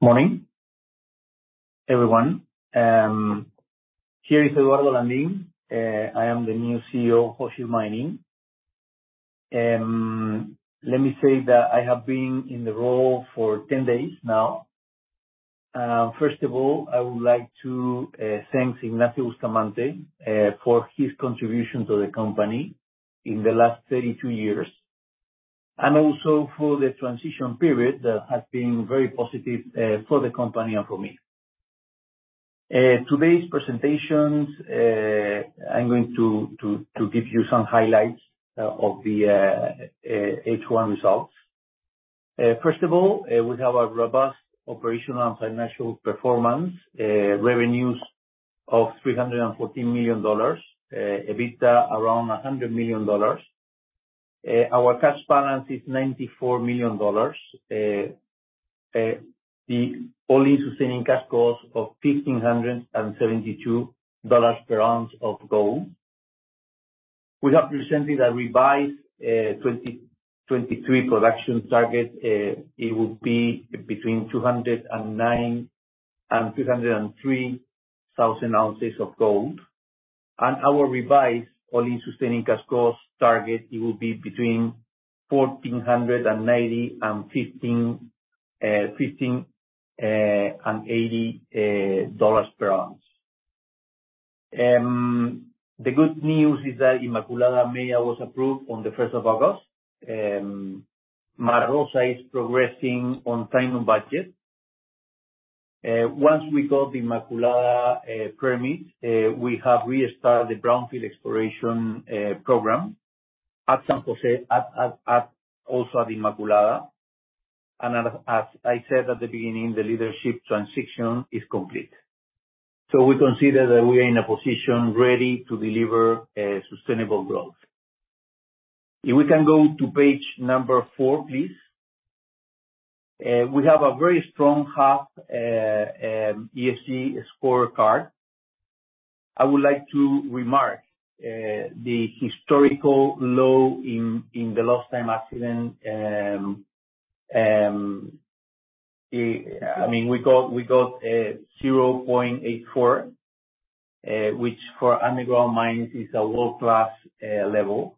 Okay. Morning, everyone. Here is Eduardo Landín. I am the new CEO of Hochschild Mining. Let me say that I have been in the role for 10 days now. First of all, I would like to thank Ignacio Bustamante for his contribution to the company in the last 32 years, and also for the transition period that has been very positive for the company and for me. Today's presentations, I'm going to give you some highlights of the H1 results. First of all, we have a robust operational and financial performance. Revenues of $314 million, EBITDA around $100 million. Our cash balance is $94 million. The all-in sustaining cash costs of $1,572 per ounce of gold. We have recently a revised 2023 production target. It would be between 209,000 and 213,000 ounces of gold. And our revised all-in sustaining costs target, it will be between $1,490 and $1,580 per ounce. The good news is that Inmaculada MEIA was approved on the first of August. Mara Rosa is progressing on time and budget. Once we got the Inmaculada permit, we have restarted the brownfield exploration program at San Jose, also at Inmaculada. And as I said at the beginning, the leadership transition is complete. So we consider that we are in a position ready to deliver a sustainable growth. If we can go to page number 4, please. We have a very strong half ESG scorecard. I would like to remark the historical low in the Lost Time Accident. I mean, we got 0.84, which for underground mines is a world-class level.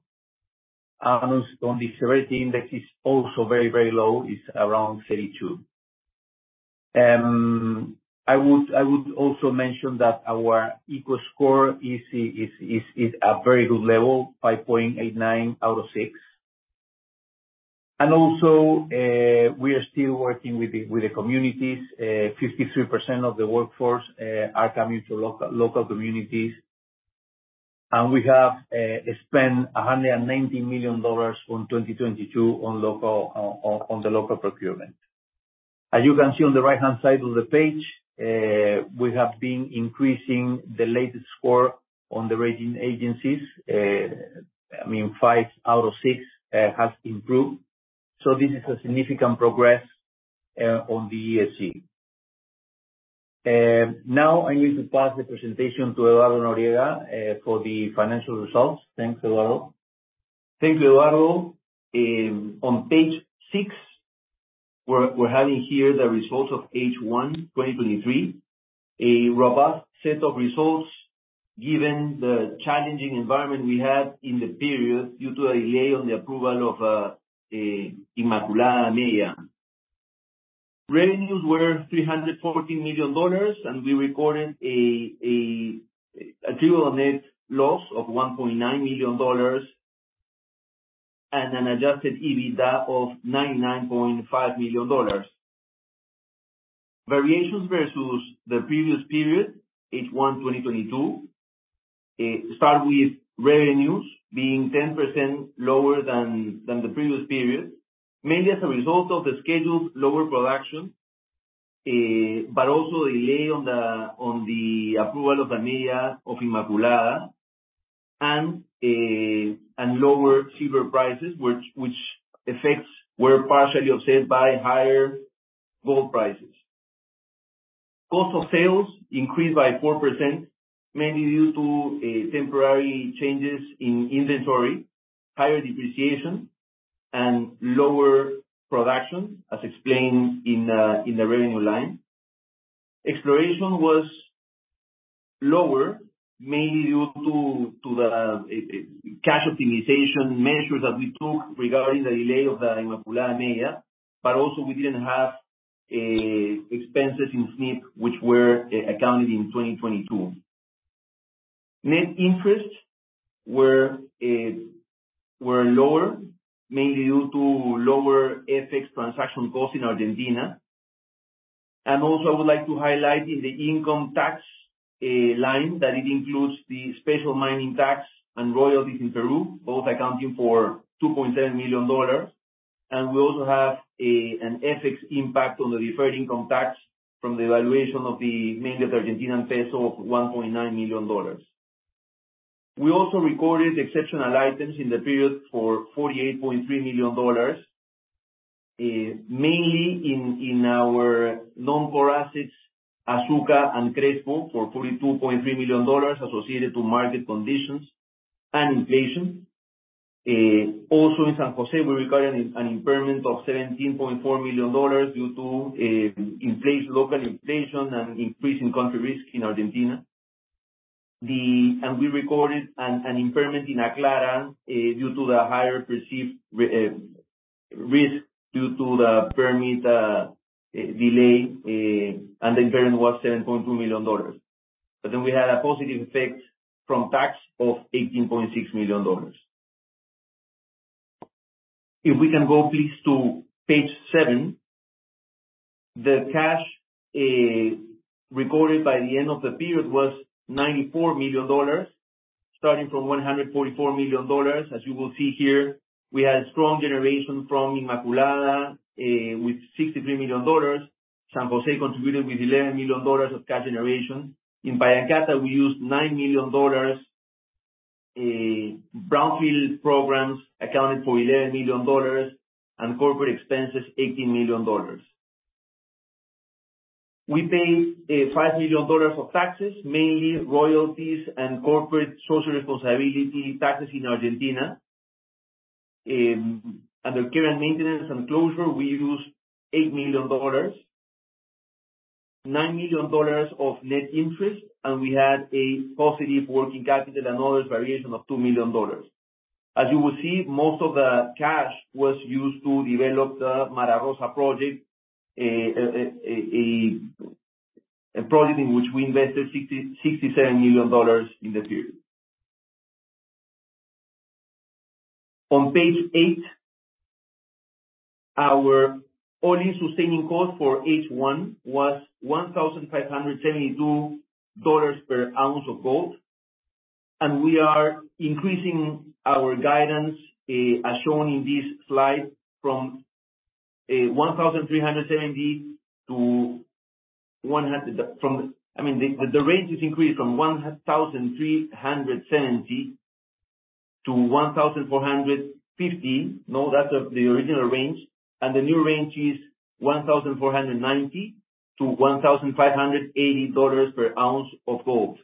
And on the severity index is also very, very low, it's around 32. I would also mention that our ECO Score is a very good level, 5.89 out of six. And also, we are still working with the communities. 53% of the workforce are coming to local, local communities. And we have spent $190 million from 2022 on the local procurement. As you can see on the right-hand side of the page, we have been increasing the latest score on the rating agencies. I mean, five out of six has improved. So this is a significant progress on the ESG. Now, I'm going to pass the presentation to Eduardo Noriega for the financial results. Thanks, Eduardo. Thanks, Eduardo. On page six, we're having here the results of H1 2023. A robust set of results given the challenging environment we had in the period due to a delay on the approval of Inmaculada MEIA. Revenues were $314 million, and we recorded an adjusted net loss of $1.9 million, and an adjusted EBITDA of $99.5 million. Variations versus the previous period, H1 2022, start with revenues being 10% lower than the previous period, mainly as a result of the scheduled lower production, but also a delay on the approval of the MEIA of Inmaculada, and lower silver prices, which effects were partially offset by higher gold prices. Cost of sales increased by 4%, mainly due to temporary changes in inventory, higher depreciation, and lower production, as explained in the revenue line. Exploration was lower, mainly due to the cash optimization measures that we took regarding the delay of the Inmaculada MEIA, but also we didn't have expenses in Snip, which were accounted in 2022. Net interest were lower, mainly due to lower FX transaction costs in Argentina. And also, I would like to highlight in the income tax line, that it includes the special mining tax and royalties in Peru, both accounting for $2.7 million. And we also have an FX impact on the deferred income tax from the devaluation of the main Argentinian peso of $1.9 million. We also recorded exceptional items in the period for $48.3 million, mainly in our non-core assets, Azuca and Crespo, for $42.3 million associated to market conditions and inflation. Also in San Jose, we recorded an impairment of $17.4 million due to increased local inflation and increase in country risk in Argentina. And we recorded an impairment in Aclara due to the higher perceived risk due to the permit delay, and the impairment was $7.2 million. But then we had a positive effect from tax of $18.6 million. If we can go, please, to page seven. The cash recorded by the end of the period was $94 million, starting from $144 million. As you will see here, we had strong generation from Inmaculada with $63 million. San Jose contributed with $11 million of cash generation. In Pallancata, we used $9 million. Brownfield programs accounted for $11 million, and corporate expenses, $18 million. We paid $5 million of taxes, mainly royalties and corporate social responsibility taxes in Argentina. Under care and maintenance and closure, we used $8 million, $9 million of net interest, and we had a positive working capital and other variation of $2 million. As you will see, most of the cash was used to develop the Mara Rosa project, a project in which we invested $67 million in the period. On page eight, our all-in sustaining cost for H1 was $1,572 per ounce of gold, and we are increasing our guidance, as shown in this slide, from $1,370 to $1,450. No, that's the original range, and the new range is $1,490-$1,580 per ounce of gold.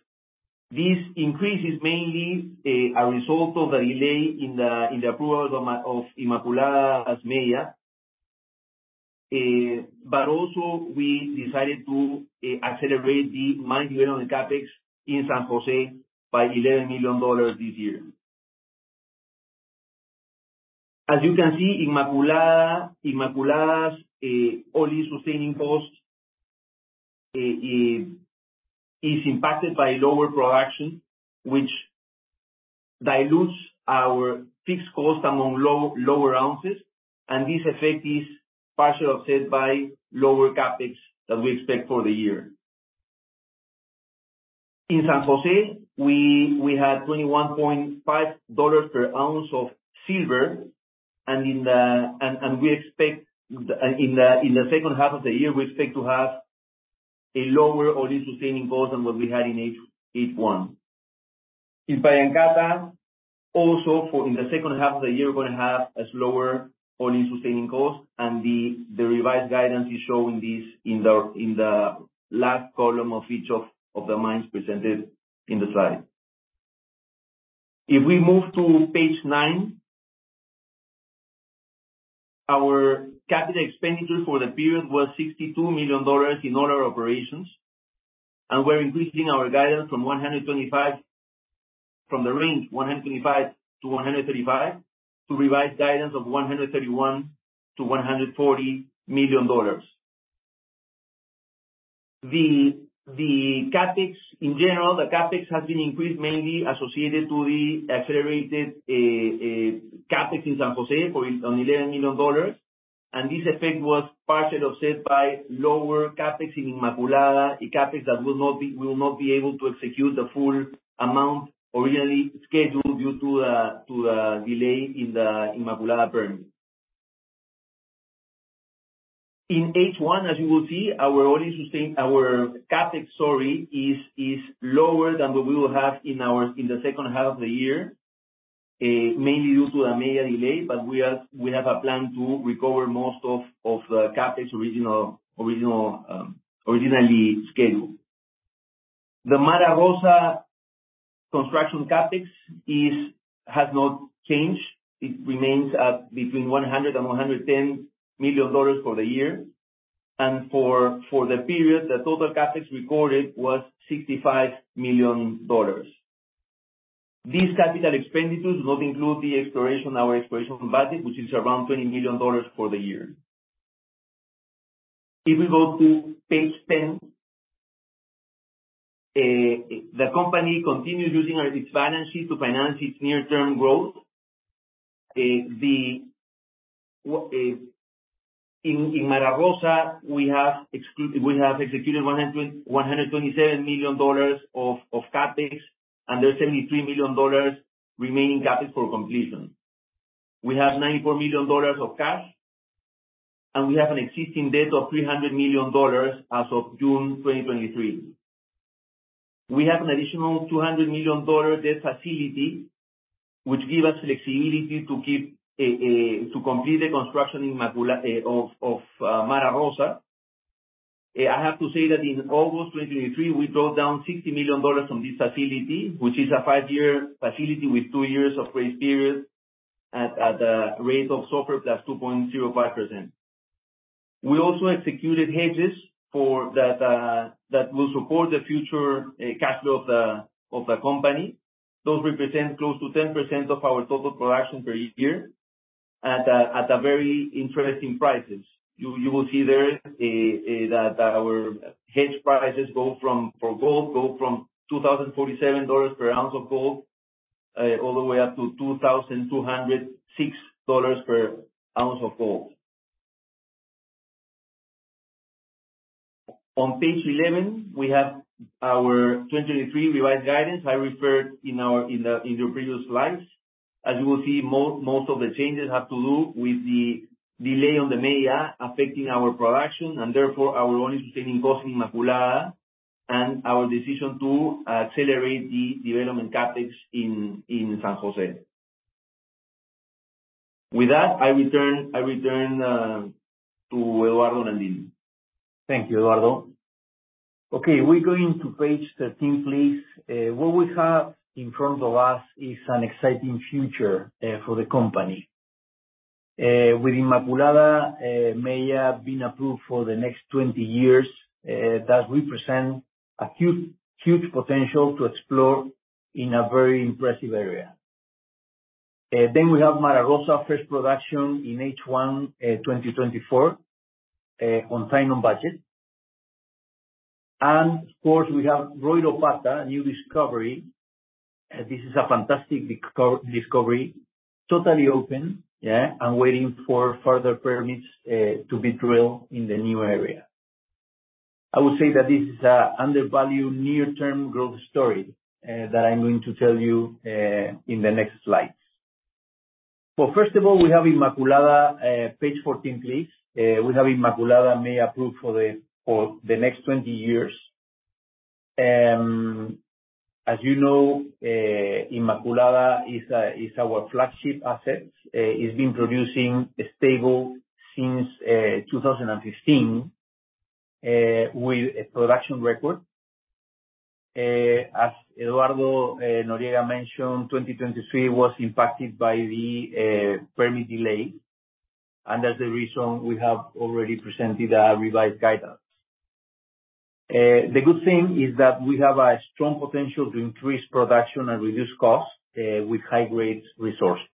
This increase is mainly a result of the delay in the approval of Inmaculada's MEIA. But also, we decided to accelerate the mine development CapEx in San Jose by $11 million this year. As you can see, Inmaculada's all-in sustaining costs is impacted by lower production, which dilutes our fixed cost among lower ounces, and this effect is partially offset by lower CapEx that we expect for the year. In San Jose, we had $21.5 per ounce of silver, and in the second half of the year, we expect to have a lower all-in sustaining cost than what we had in H1. In Pallancata, also in the second half of the year, we're gonna have a lower all-in sustaining cost, and the revised guidance is shown in the last column of each of the mines presented in the slide. If we move to page nine, our capital expenditure for the period was $62 million in all our operations, and we're increasing our guidance from 125, from the range 125-135, to revised guidance of 131-140 million dollars. The CapEx, in general, the CapEx has been increased, mainly associated to the accelerated CapEx in San Jose for $11 million, and this effect was partially offset by lower CapEx in Inmaculada, a CapEx that will not be able to execute the full amount originally scheduled due to a delay in the Inmaculada permit. In H1, as you will see, our all-in sustaining- our CapEx, sorry, is, is lower than what we will have in our, in the second half of the year, mainly due to a MEIA delay, but we are, we have a plan to recover most of, of the CapEx original, original, originally scheduled. The Mara Rosa construction CapEx is- has not changed. It remains at between $100 and $110 million for the year. And for, for the period, the total CapEx recorded was $65 million. These capital expenditures do not include the exploration, our exploration budget, which is around $20 million for the year. If we go to page 10, the company continued using our- its finances to finance its near-term growth. The, what... In Mara Rosa, we have executed $127 million of CapEx, and there's $73 million remaining CapEx for completion. We have $94 million of cash, and we have an existing debt of $300 million as of June 2023. We have an additional $200 million debt facility, which give us flexibility to keep to complete the construction Inmaculada of Mara Rosa. Yeah, I have to say that in August 2023, we drew down $60 million from this facility, which is a five-year facility with two years of grace period at a rate of SOFR +2.05%. We also executed hedges for that that will support the future cash flow of the company. Those represent close to 10% of our total production per year at very interesting prices. You will see there that our hedge prices go from, for gold, $2,047-$2,206 per ounce of gold. On page 11, we have our 2023 revised guidance I referred to in the previous slides. As you will see, most of the changes have to do with the delay on the MEIA affecting our production, and therefore, our all-in sustaining cost in Inmaculada and our decision to accelerate the development capital in San Jose. With that, I return to Eduardo Landin. Thank you, Eduardo. Okay, we're going to page 13, please. What we have in front of us is an exciting future for the company. With Inmaculada, MEIA being approved for the next 20 years, that represent a huge, huge potential to explore in a very impressive area. Then we have Mara Rosa first production in H1 2024, on time and budget. And of course, we have Royropata, a new discovery. This is a fantastic discovery, totally open, yeah, and waiting for further permits to be drilled in the new area. I would say that this is a undervalued near-term growth story that I'm going to tell you in the next slides. So first of all, we have Inmaculada, page 14, please. We have Inmaculada MEIA approved for the next 20 years. As you know, Inmaculada is our flagship asset. It's been producing stable since 2015 with a production record. As Eduardo Noriega mentioned, 2023 was impacted by the permit delay, and that's the reason we have already presented a revised guidance. The good thing is that we have a strong potential to increase production and reduce costs with high-grade resources.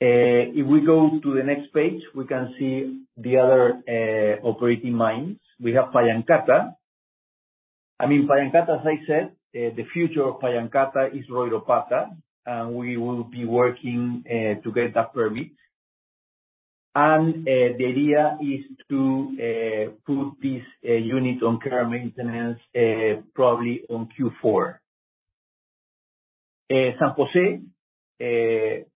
If we go to the next page, we can see the other operating mines. We have Pallancata. I mean, Pallancata, as I said, the future of Pallancata is Royropata, and we will be working to get that permit. And the idea is to put this unit on care and maintenance, probably on Q4. San Jose,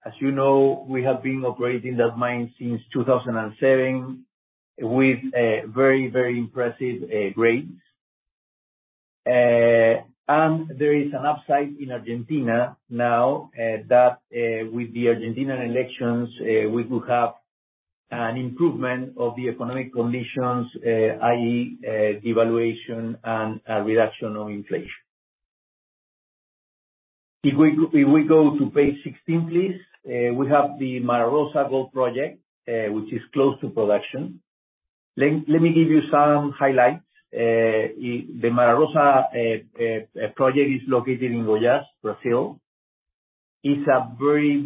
as you know, we have been operating that mine since 2007 with a very, very impressive grades. And there is an upside in Argentina now, that with the Argentine elections, we will have an improvement of the economic conditions, i.e., devaluation and a reduction on inflation. If we go to page 16, please. We have the Mara Rosa Gold Project, which is close to production. Let me give you some highlights. The Mara Rosa project is located in Goiás, Brazil. It's a very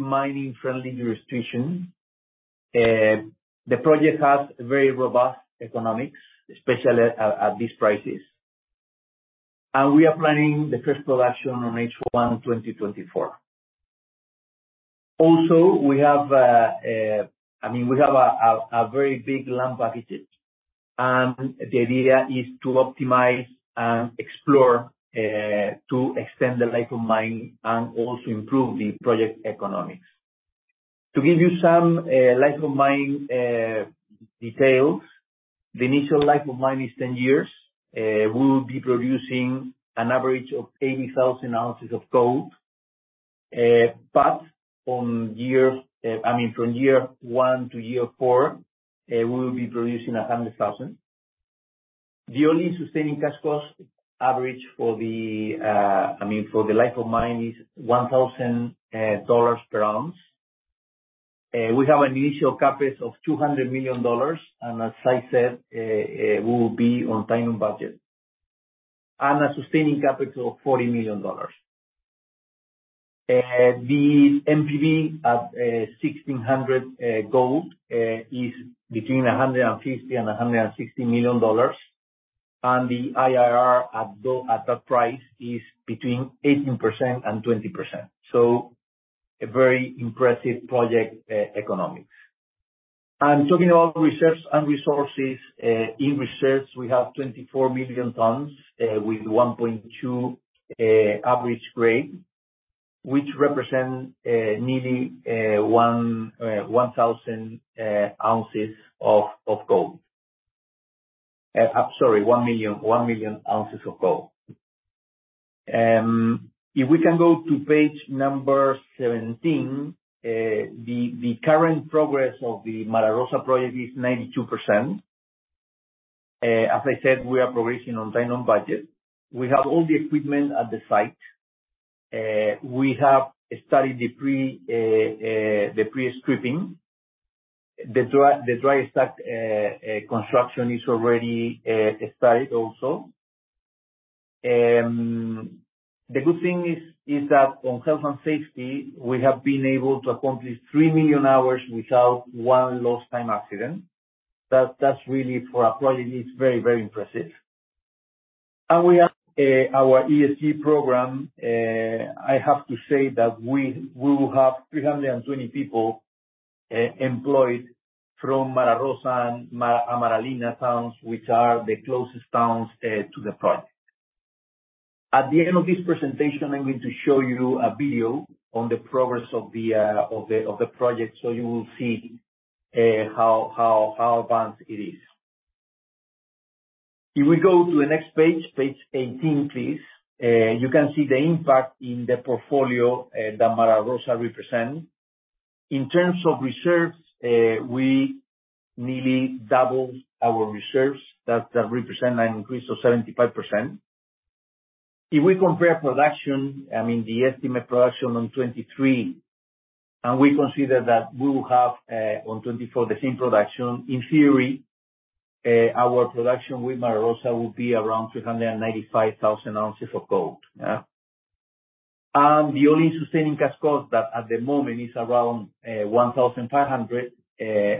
mining-friendly jurisdiction. The project has very robust economics, especially at these prices. And we are planning the first production on H1 2024. Also, we have... I mean, we have a very big land package, and the idea is to optimize and explore to extend the life of mine and also improve the project economics. To give you some life of mine details, the initial life of mine is 10 years. We will be producing an average of 80,000 ounces of gold, but from year, I mean, from year one to year four, we will be producing 100,000. The all-in sustaining cash cost average for the, I mean, for the life of mine is $1,000 per ounce. We have an initial CapEx of $200 million, and as I said, we will be on time and budget, and a sustaining CapEx of $40 million. The NPV at $1,600 gold is between $150 and $160 million, and the IRR at that price is between 18% and 20%. So a very impressive project economics. Talking about reserves and resources, in reserves, we have 24 million tons with 1.2 average grade, which represent nearly one million ounces of gold. I'm sorry, one million ounces of gold. If we can go to page 17, the current progress of the Mara Rosa project is 92%. As I said, we are progressing on time, on budget. We have all the equipment at the site. We have started the pre-stripping. The dry stack construction is already started also. The good thing is that on health and safety, we have been able to accomplish 3 million hours without one lost time accident. That's really for a project, it's very, very impressive. And we have our ESG program, I have to say that we will have 320 people employed from Mara Rosa and Amaralina towns, which are the closest towns to the project. At the end of this presentation, I'm going to show you a video on the progress of the project, so you will see how advanced it is. If we go to the next page, page 18, please. You can see the impact in the portfolio that Mara Rosa represent. In terms of reserves, we nearly doubled our reserves. That, that represent an increase of 75%. If we compare production, I mean, the estimated production on 2023, and we consider that we will have, on 2024, the same production, in theory, our production with Mara Rosa will be around 395,000 ounces of gold. Yeah? And the all-in sustaining cash cost that at the moment is around $1,500,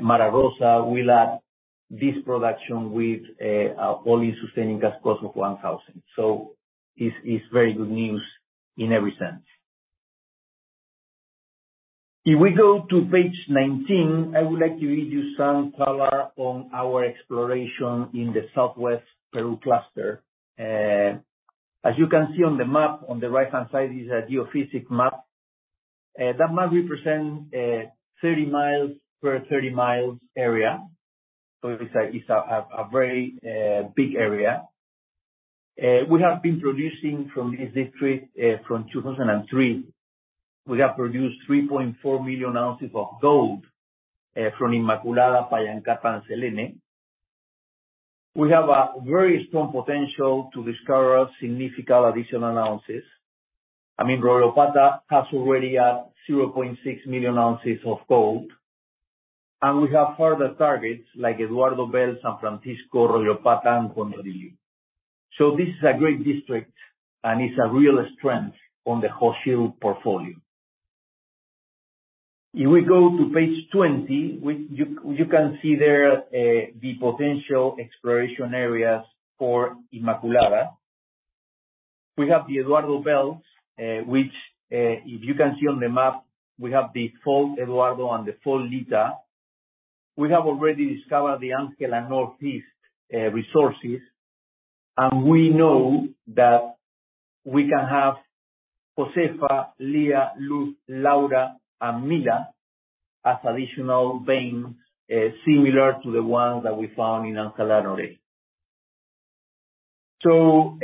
Mara Rosa will add this production with a all-in sustaining cash cost of $1,000. So it's, it's very good news in every sense. If we go to page 19, I would like to give you some color on our exploration in the Southwest Peru Cluster. As you can see on the map, on the right-hand side is a geophysics map. That map represent 30 miles per 30 miles area, so it's a, it's a, a very big area. We have been producing from this district from 2003. We have produced 3.4 million ounces of gold from Inmaculada, Pallancata, and Selene. We have a very strong potential to discover significant additional ounces. I mean, Royropata has already a 0.6 million ounces of gold, and we have further targets like Eduardo Belt, San Francisco, Royropata, and Condorillo. So this is a great district, and it's a real strength on the whole Peru portfolio. If we go to page 20, you can see there the potential exploration areas for Inmaculada. We have the Eduardo Belt, which, if you can see on the map, we have the fault Eduardo and the fault Lia. We have already discovered the Angela Northeast resources, and we know that we can have Josefa, Lia, Luz, Laura, and Mila as additional veins, similar to the one that we found in Angela Northeast. So,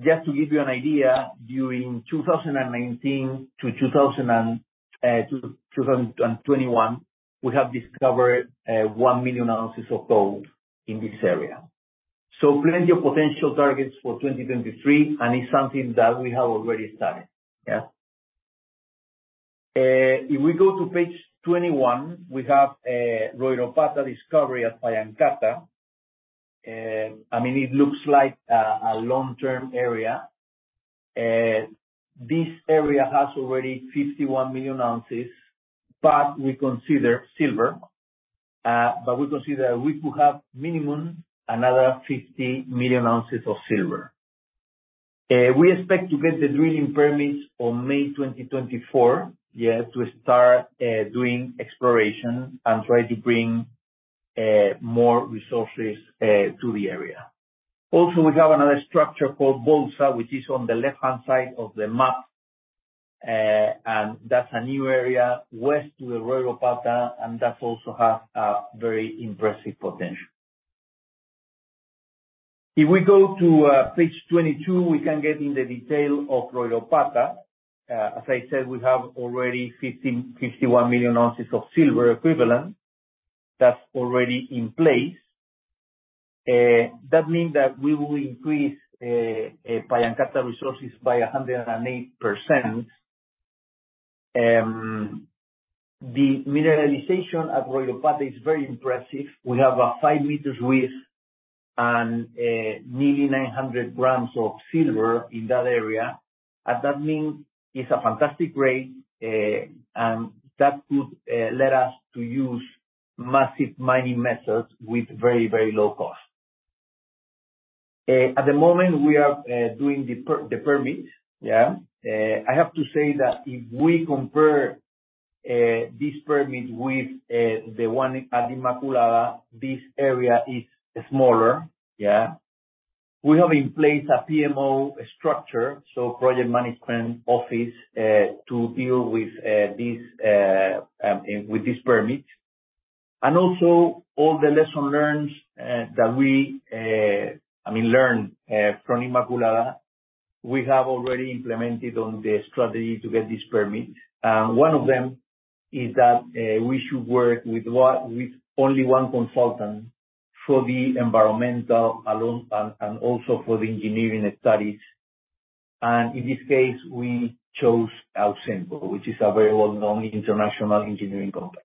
just to give you an idea, during 2019 to 2021, we have discovered 1 million ounces of gold in this area. So plenty of potential targets for 2023, and it's something that we have already started. Yeah. If we go to page 21, we have a Royropata discovery at Pallancata. I mean, it looks like a long-term area. This area has already 51 million ounces, but we consider silver... But we consider we could have minimum another 50 million ounces of silver. We expect to get the drilling permits on May 2024, yeah, to start doing exploration and try to bring more resources to the area. Also, we have another structure called Bolsa, which is on the left-hand side of the map, and that's a new area west to the Royropata, and that also has a very impressive potential. If we go to page 22, we can get in the detail of Royropata. As I said, we have already 50 million-51 million ounces of silver equivalent that's already in place. That means that we will increase Pallancata resources by 108%. The mineralization at Royropata is very impressive. We have a 5 meters width and nearly 900 grams of silver in that area, and that means it's a fantastic rate, and that could lead us to use massive mining methods with very, very low cost. At the moment we are doing the permit. Yeah. I have to say that if we compare this permit with the one at Inmaculada, this area is smaller. Yeah? We have in place a PMO structure, so project management office, to deal with this with this permit, and also all the lessons learned from Inmaculada, we have already implemented on the strategy to get this permit. One of them is that we should work with only one consultant for the environmental alone, and also for the engineering studies. In this case, we chose Ausenco, which is a very well-known international engineering company.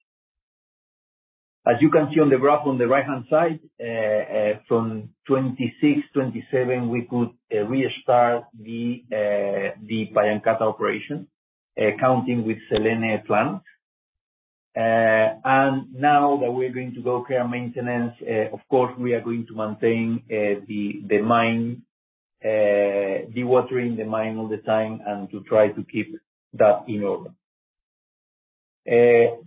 As you can see on the graph on the right-hand side, from 2026-2027, we could restart the Pallancata operation, counting with Selene plant. And now that we're going to go care and maintenance, of course, we are going to maintain the mine, dewatering the mine all the time and to try to keep that in order.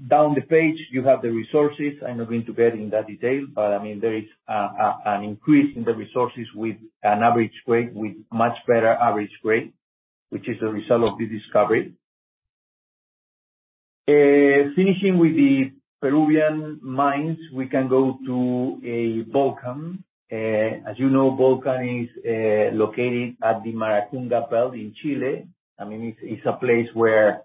Down the page, you have the resources. I'm not going to get in that detail, but, I mean, there is, a, an increase in the resources with an average grade- with much better average grade, which is a result of the discovery. Finishing with the Peruvian mines, we can go to, Volcan. As you know, Volcan is, located at the Maricunga Belt in Chile. I mean, it's, it's a place where...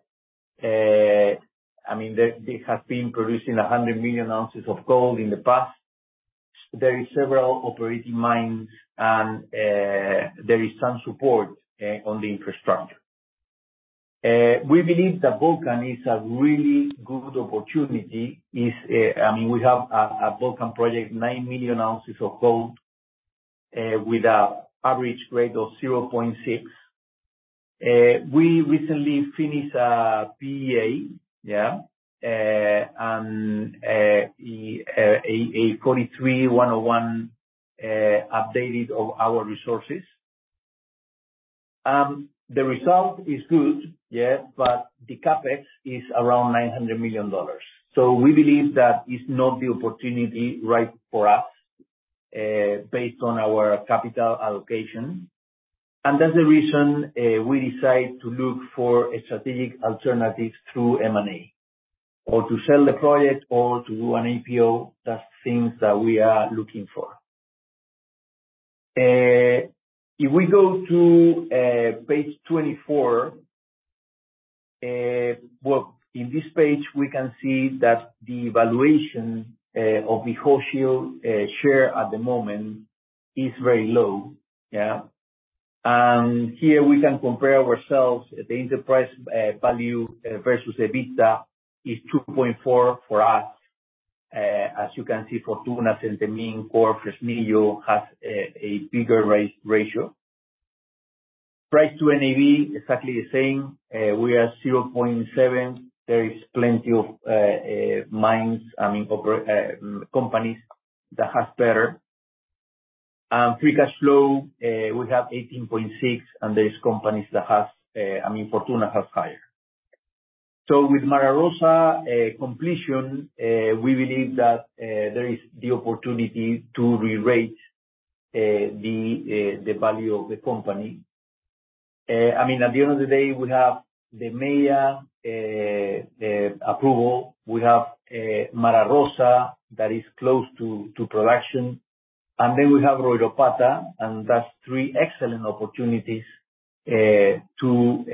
I mean, they, they have been producing 100 million ounces of gold in the past. There is several operating mines, and, there is some support, on the infrastructure. We believe that Volcan is a really good opportunity, is... I mean, we have a, a Volcan project, 9 million ounces of gold, with a average grade of 0.6. We recently finished a PEA, yeah, and a NI 43-101 update of our resources. The result is good, yes, but the CapEx is around $900 million. So we believe that it's not the opportunity right for us, based on our capital allocation. And that's the reason we decide to look for a strategic alternative through M&A, or to sell the project, or to do an IPO. That's things that we are looking for. If we go to page 24, well, in this page, we can see that the valuation of the Hochschild share at the moment is very low, yeah? And here we can compare ourselves. The enterprise value versus EBITDA is 2.4 for us. As you can see, Fortuna is in the mean, Coeur Mining has a bigger ratio. Price to NAV, exactly the same. We are 0.7. There is plenty of mines, I mean, operating companies that has better. Free cash flow, we have 18.6, and there is companies that has higher. I mean, Fortuna has higher. So with Mara Rosa completion, we believe that there is the opportunity to re-rate the value of the company. I mean, at the end of the day, we have the MEIA approval. We have Mara Rosa that is close to production, and then we have Royropata, and that's 3 excellent opportunities to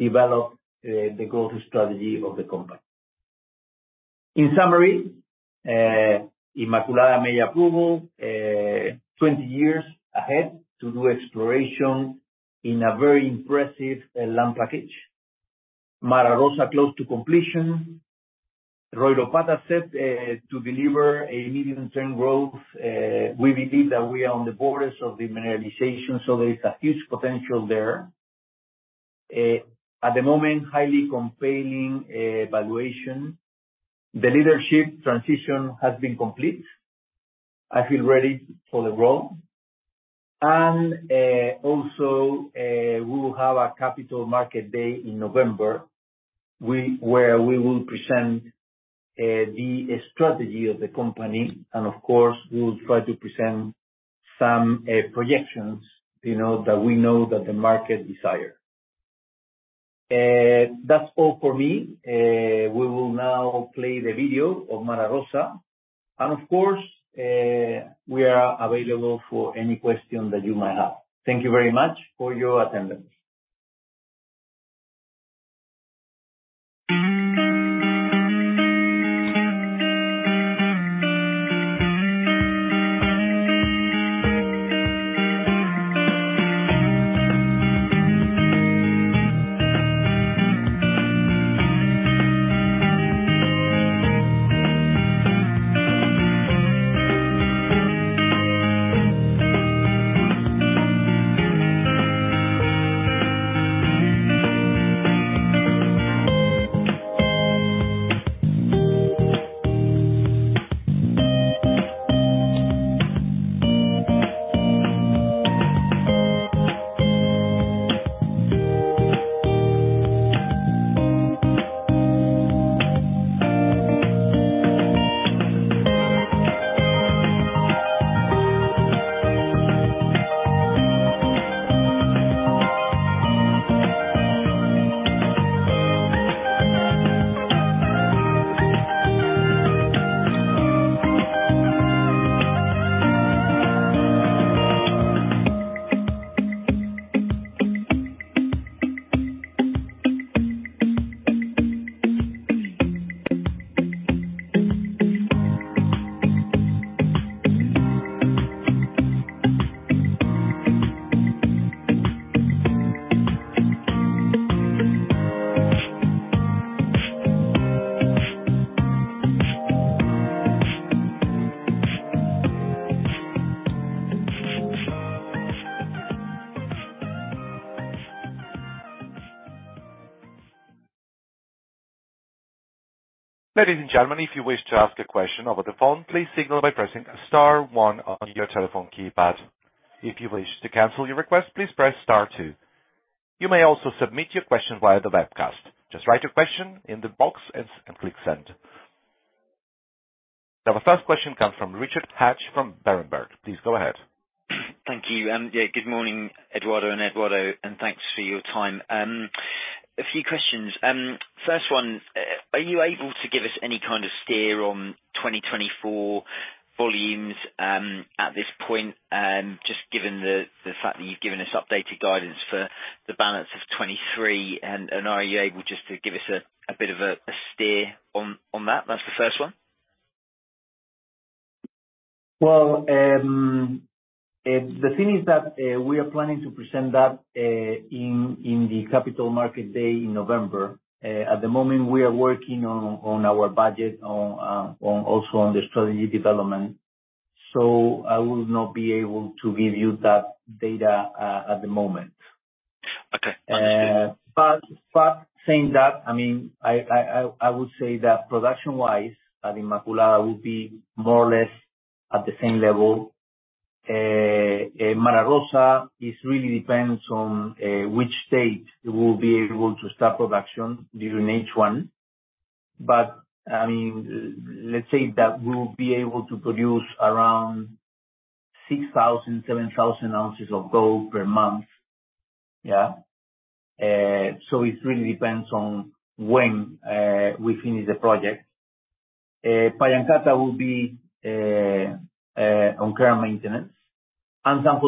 develop the growth strategy of the company. In summary, Inmaculada MEIA approval, 20 years ahead to do exploration in a very impressive land package. Mara Rosa close to completion. Royropata set to deliver a medium-term growth. We believe that we are on the borders of the mineralization, so there is a huge potential there. At the moment, highly compelling valuation. The leadership transition has been complete. I feel ready for the role. Also, we will have a Capital Markets Day in November, where we will present the strategy of the company, and of course, we will try to present some projections, you know, that we know that the market desire. That's all for me. We will now play the video of Mara Rosa, and of course, we are available for any question that you might have. Thank you very much for your attendance. Ladies and gentlemen, if you wish to ask a question over the phone, please signal by pressing star one on your telephone keypad. If you wish to cancel your request, please press star two. You may also submit your question via the webcast. Just write your question in the box and click send. Now, the first question comes from Richard Hatch from Berenberg. Please go ahead. Thank you, and yeah, good morning, Eduardo and Eduardo, and thanks for your time. A few questions. First one, are you able to give us any kind of steer on 2024 volumes, at this point, just given the fact that you've given us updated guidance for the balance of 2023, and are you able just to give us a bit of a steer on that? That's the first one. Well, the thing is that we are planning to present that in the Capital Markets Day in November. At the moment, we are working on our budget, also on the strategy development. So I will not be able to give you that data at the moment. Okay. But saying that, I mean, I would say that production-wise, that Inmaculada will be more or less at the same level. Mara Rosa, it really depends on which stage we will be able to start production during each one. But, I mean, let's say that we'll be able to produce around 6,000-7,000 ounces of gold per month. Yeah. So it really depends on when we finish the project. Pallancata will be on care and maintenance. And San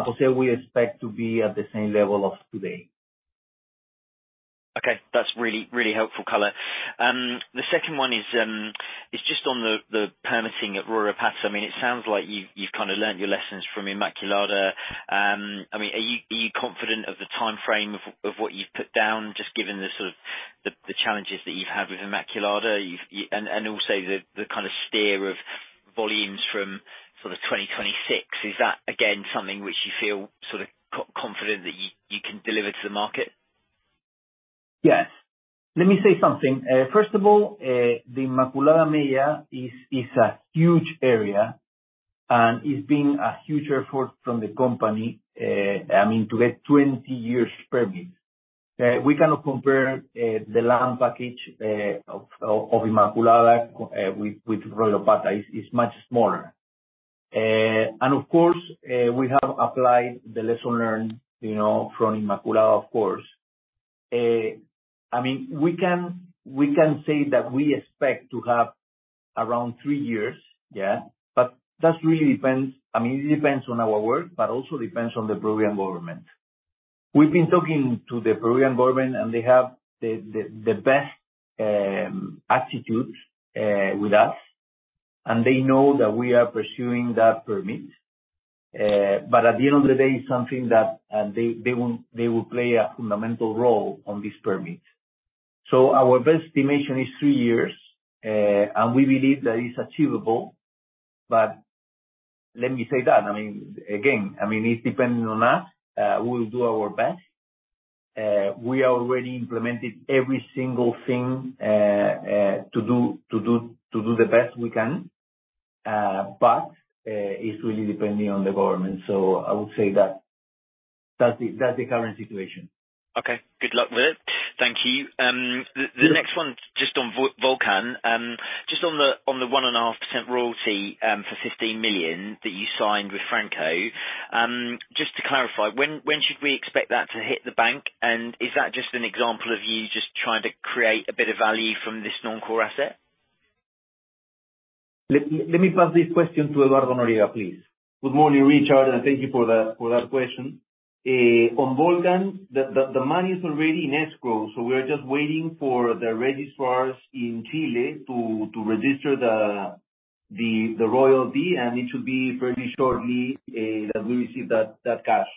Jose, we expect to be at the same level of today. Okay, that's really, really helpful color. The second one is just on the permitting at Royropata. I mean, it sounds like you've kind of learned your lessons from Inmaculada. I mean, are you confident of the timeframe of what you've put down, just given the sort of the challenges that you've had with Inmaculada? And also the kind of steer of volumes from sort of 2026, is that again something which you feel sort of confident that you can deliver to the market? Yes. Let me say something. First of all, the Inmaculada area is a huge area, and it's been a huge effort from the company, I mean, to get 20-year permit. We cannot compare the land package of Inmaculada with Royropata. It's much smaller. And of course, we have applied the lesson learned, you know, from Inmaculada, of course. I mean, we can say that we expect to have around three years. Yeah. But that really depends. I mean, it depends on our work, but also depends on the Peruvian government. We've been talking to the Peruvian government, and they have the best attitudes with us, and they know that we are pursuing that permit. But at the end of the day, it's something that they will play a fundamental role on this permit. So our best estimation is three years, and we believe that it's achievable. But let me say that, I mean, again, I mean, it's dependent on us. We will do our best. We already implemented every single thing to do the best we can, but it's really depending on the government. So I would say that that's the current situation. Okay. Good luck with it. Thank you. The next one- Mm-hmm. Just on Volcan. Just on the 1.5% royalty for $15 million that you signed with Franco-Nevada. Just to clarify, when should we expect that to hit the bank? And is that just an example of you just trying to create a bit of value from this non-core asset? Let me pass this question to Eduardo Noriega, please. Good morning, Richard, and thank you for that question. On Volcan, the money is already in escrow, so we are just waiting for the registrars in Chile to register the royalty, and it should be pretty shortly that we receive that cash.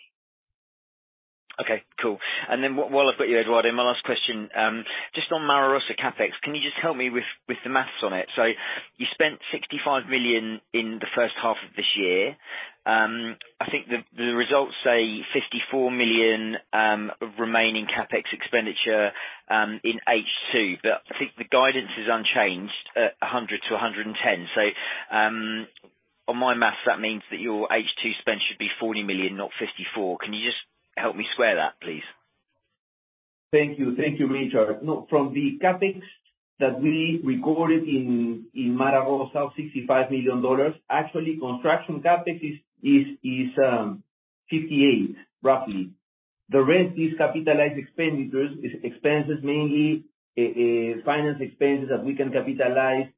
Okay, cool. And then while I've got you, Eduardo, my last question, just on Mara Rosa CapEx, can you just help me with the math on it? So you spent $65 million in the first half of this year. I think the results say $54 million remaining CapEx expenditure in H2. But I think the guidance is unchanged, $100 million-$110 million. So, on my math, that means that your H2 spend should be $40 million, not $54 million. Can you just help me square that, please? Thank you. Thank you, Richard. No, from the CapEx that we recorded in Mara Rosa of $65 million, actually, construction CapEx is 58, roughly. The rest is capitalized expenditures, is expenses, mainly, finance expenses that we can capitalize,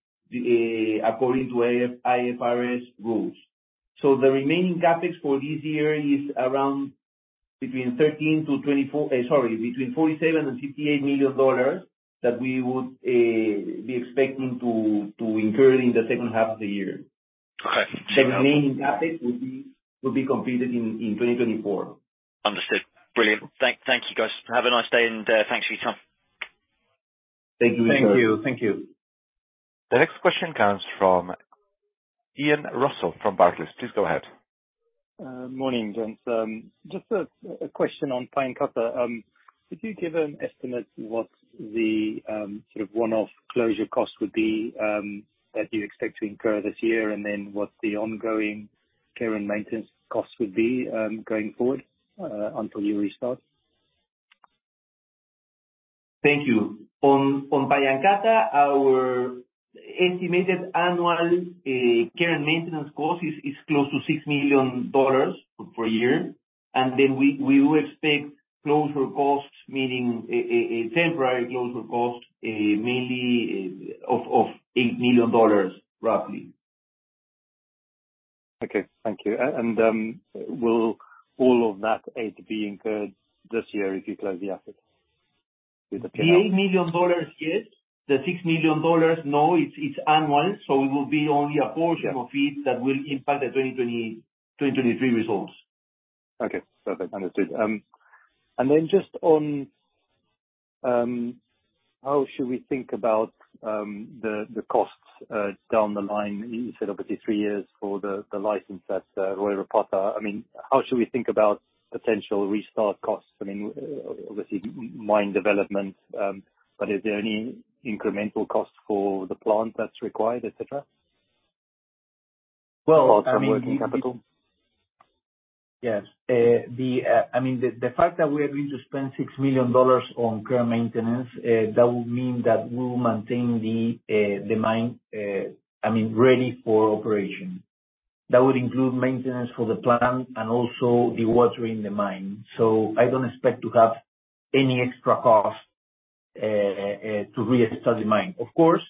according to as per IFRS rules. So the remaining CapEx for this year is around between thirteen to twenty-four, sorry, between $47 million and $58 million, that we would be expecting to incur in the second half of the year. Okay. Meaning CapEx will be completed in 2024. Understood. Brilliant. Thank you, guys. Have a nice day, and thanks for your time. Thank you. Thank you, thank you. The next question comes from Ian Rossouw from Barclays. Please go ahead. Morning, gents. Just a question on Pallancata. Could you give an estimate what the sort of one-off closure cost would be that you expect to incur this year, and then what the ongoing care and maintenance costs would be going forward until you restart? Thank you. On Pallancata, our estimated annual care and maintenance cost is close to $6 million per year, and then we would expect closure costs, meaning a temporary closure cost, mainly of $8 million, roughly. Okay. Thank you. Will all of that aid be incurred this year if you close the asset, with the- The $8 million, yes. The $6 million, no, it's, it's annual, so it will be only a portion- Yeah. Of it that will impact the 2020, 2023 results. Okay. Perfect, understood. And then just on how should we think about the costs down the line? You said obviously three years for the license at Royropata. I mean, how should we think about potential restart costs? I mean, obviously, mine development, but is there any incremental cost for the plant that's required, et cetera? Well, I mean- Apart from working capital. Yes. I mean, the fact that we are going to spend $6 million on care and maintenance, that would mean that we will maintain the mine, I mean, ready for operation. That would include maintenance for the plant and also dewatering the mine. So I don't expect to have any extra cost to restart the mine. Of course,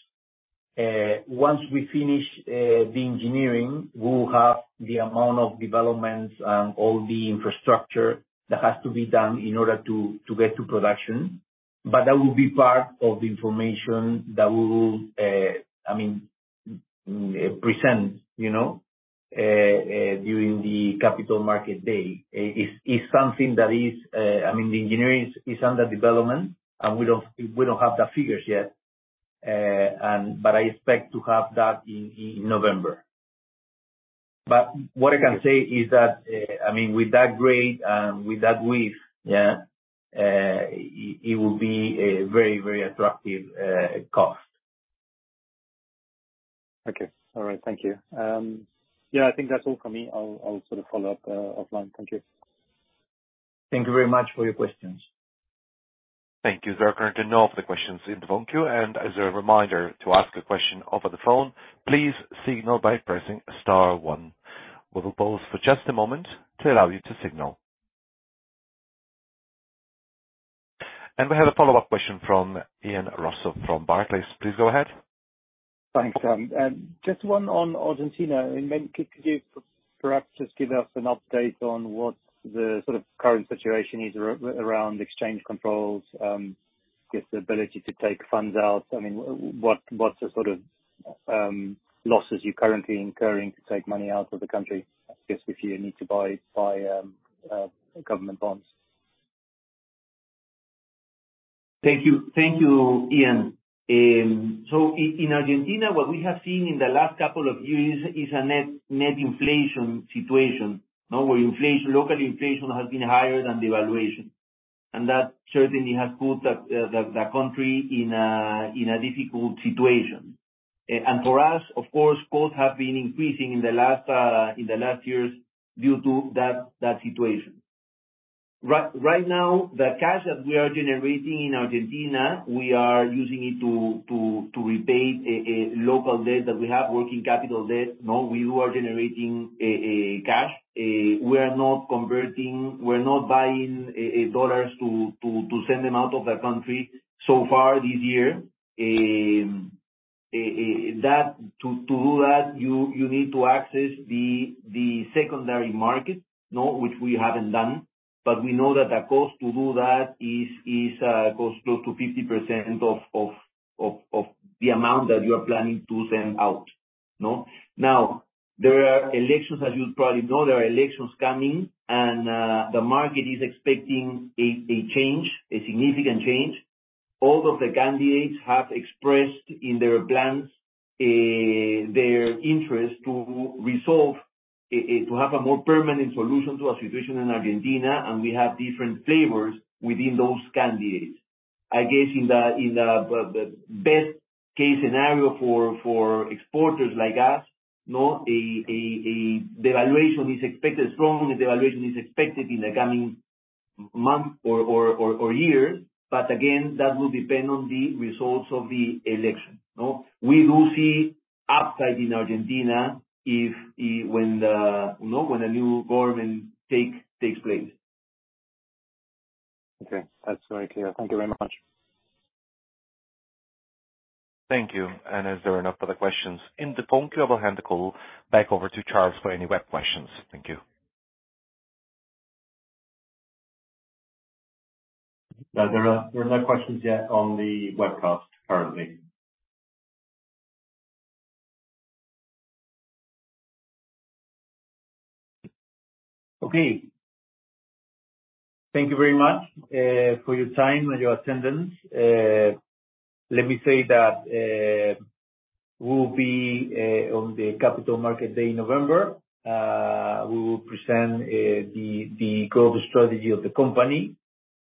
once we finish the engineering, we will have the amount of development and all the infrastructure that has to be done in order to get to production, but that will be part of the information that we will, I mean, present, you know, during the Capital Markets Day. It's something that is, I mean, the engineering is under development, and we don't have the figures yet. I expect to have that in November. But what I can say is that, I mean, with that grade and with that width, yeah, it will be a very, very attractive cost. Okay. All right. Thank you. Yeah, I think that's all for me. I'll sort of follow up offline. Thank you. Thank you very much for your questions. Thank you. There are currently no further questions in the phone queue, and as a reminder, to ask a question over the phone, please signal by pressing star one. We will pause for just a moment to allow you to signal. We have a follow-up question from Ian Rossouw from Barclays. Please go ahead. Thanks. Just one on Argentina, and then could you perhaps just give us an update on what the sort of current situation is around exchange controls, just the ability to take funds out? I mean, what, what's the sort of losses you're currently incurring to take money out of the country, just if you need to buy government bonds? Thank you. Thank you, Ian. So in Argentina, what we have seen in the last couple of years is a net inflation situation, where local inflation has been higher than the devaluation. And that certainly has put the country in a difficult situation. And for us, of course, costs have been increasing in the last years due to that situation. Right now, the cash that we are generating in Argentina, we are using it to repay a local debt that we have, working capital debt. No, we were generating cash. We are not converting. We're not buying dollars to send them out of the country so far this year. To do that, you need to access the secondary market, no? Which we haven't done, but we know that the cost to do that is close to 50% of the amount that you are planning to send out, no? Now, there are elections, as you probably know, there are elections coming, and the market is expecting a change, a significant change. All of the candidates have expressed in their plans their interest to resolve, to have a more permanent solution to our situation in Argentina, and we have different flavors within those candidates. I guess, in the best case scenario for exporters like us, no, a, a, a... The valuation is expected, strong valuation is expected in the coming months or years, but again, that will depend on the results of the election, no? We will see upside in Argentina if, when the, you know, when a new government takes place. Okay. That's very clear. Thank you very much. Thank you. And as there are no further questions in the phone queue, I'll hand the call back over to Charles for any web questions. Thank you. There are no questions yet on the webcast currently. Okay. Thank you very much for your time and your attendance. Let me say that we'll be on the Capital Markets Day in November. We will present the global strategy of the company.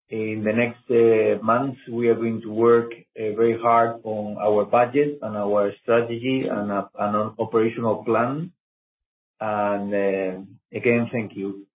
In the next months, we are going to work very hard on our budget and our strategy and on operational plan. Again, thank you.